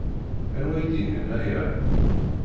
Anwa i d-yennan aya?